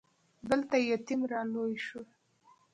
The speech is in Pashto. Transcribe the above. دلته يتيم را لوی شو.